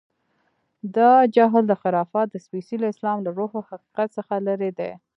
دا جهل و خرافات د سپېڅلي اسلام له روح و حقیقت څخه لرې دي.